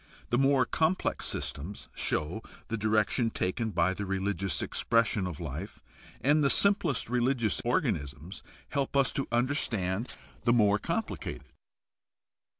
The more complex systems show the direction taken by the religious expression of life, and the simplest religious organisms help us to understand the more THE HISTORICAL STUDY OF RELIGION 33 complicated.